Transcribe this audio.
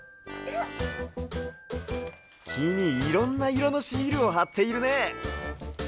きにいろんないろのシールをはっているね。